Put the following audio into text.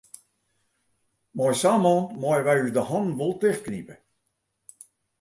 Mei sa'n man meie wy ús de hannen wol tichtknipe.